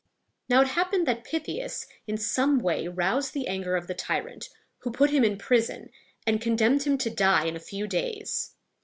Now, it happened that Pythias in some way roused the anger of the tyrant, who put him in prison, and condemned him to die in a few days.